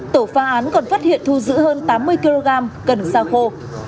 tổ pha án còn phát hiện thu giữ hơn tám mươi kg cần xa khô